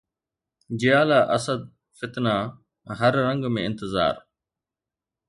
جيالا اسد فتنه هر رنگ ۾ انتظار